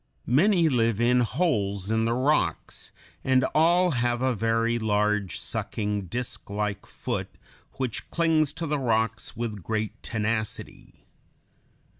Many live in holes in the rocks, and all have a very large, sucking, disklike foot which clings to the rocks with great tenacity.